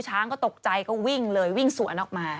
ช้างก็ตกใจก็วิ่งสวนออกมา